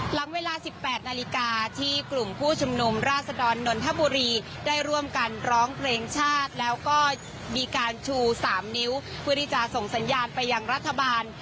หลังเวลา๑๘นาฬิกาที่กลุ่มผู้ชุมนุมราชดรนนทบุรีได้ร่วมกันร้องเพลงชาติแล้วก็มีการชู๓นิ้วเพื่อที่จะส่งสัญญาณไปยังรัฐบาล